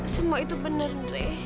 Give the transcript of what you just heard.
semua itu benar dek